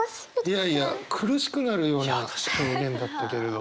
いやいや苦しくなるような表現だったけれど。